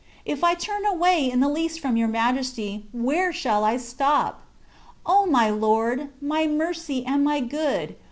K I turn away in the leaat from Your Majesty, where shall I stop? O my Lord, my Mercy, and my Good